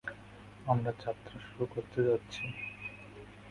আমরা যাত্রা শুরু করতে যাচ্ছি।